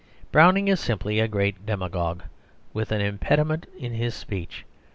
Browning is simply a great demagogue, with an impediment in his speech.